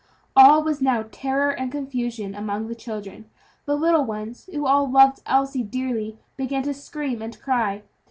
All was now terror and confusion among the children; the little ones, who all loved Elsie dearly, began to scream and cry.